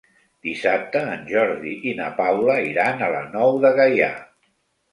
Dissabte en Jordi i na Paula iran a la Nou de Gaià.